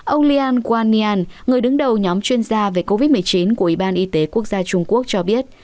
ông lian wanian người đứng đầu nhóm chuyên gia về covid một mươi chín của ủy ban y tế quốc gia trung quốc cho biết